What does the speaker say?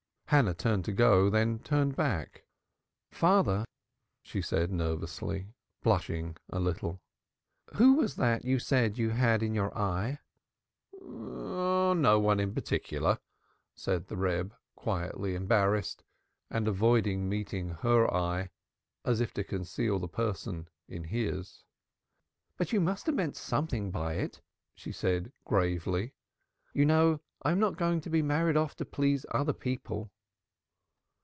Hannah turned to go, then turned back. "Father," she said nervously, blushing a little, "who was that you said you had in your eye?" "Oh, nobody in particular," said the Reb, equally embarrassed and avoiding meeting her eye, as if to conceal the person in his. "But you must have meant something by it," she said gravely. "You know I'm not going to be married off to please other people."